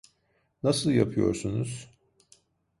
Nasıl yapıyorsunuz?